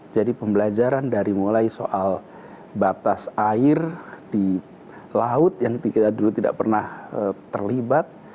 pembelajaran dari mulai soal batas air di laut yang kita dulu tidak pernah terlibat